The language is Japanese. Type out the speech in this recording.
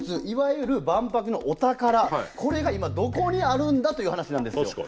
いわゆる万博のお宝これが今どこにあるんだという話なんですよ。